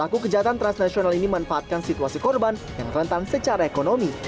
pelaku kejahatan transnasional ini manfaatkan situasi korban yang rentan secara ekonomi